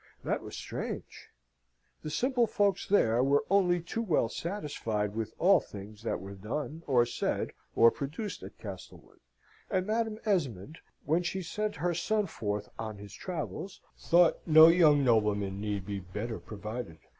That was strange. The simple folks there were only too well satisfied with all things that were done, or said, or produced at Castlewood; and Madam Esmond, when she sent her son forth on his travels, thought no young nobleman need be better provided.